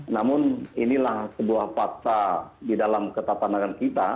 namun inilah sebuah fakta di dalam ketapandangan kita